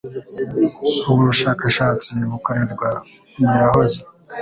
Ubu bushakashatsi bukorerwa mu yahoze